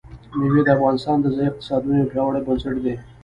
مېوې د افغانستان د ځایي اقتصادونو یو پیاوړی بنسټ دی.